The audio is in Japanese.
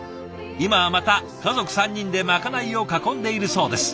今はまた家族３人でまかないを囲んでいるそうです。